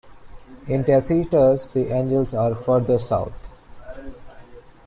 In Tacitus the Angles are further south.